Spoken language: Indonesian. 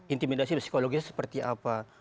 intimidasi psikologisnya seperti apa